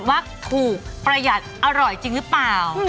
เงินโปรร้ายเยี่ยมหรือเปล่า